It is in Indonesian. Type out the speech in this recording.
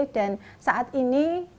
dan saat ini